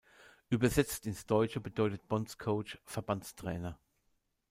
Übersetzt ins Deutsche bedeutet „Bondscoach“ Verbandstrainer.